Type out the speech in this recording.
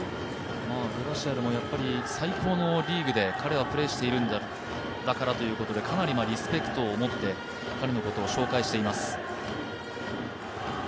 グラシアルも最高のリーグで彼はプレーしているんだからということでかなりリスペクトを持って彼のことを紹介しています。